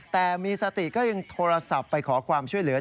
แต่มีสติก็ยังโทรศัพท์ไปขอความช่วยเหลือ